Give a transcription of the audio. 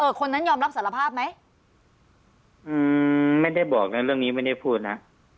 คนนั้นยอมรับสารภาพไหมอืมไม่ได้บอกนะเรื่องนี้ไม่ได้พูดนะ